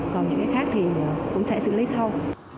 còn những cái khác thì cũng sẽ xử lý sâu